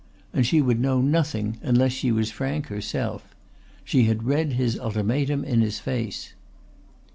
And she would know nothing unless she was frank herself. She had read his ultimatum in his face.